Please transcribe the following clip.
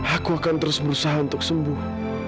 aku akan terus berusaha untuk sembuh